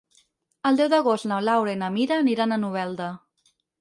El deu d'agost na Laura i na Mira aniran a Novelda.